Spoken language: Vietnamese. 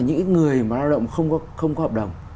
những người mà lao động không có hợp đồng